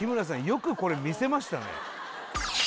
よくこれ見せましたね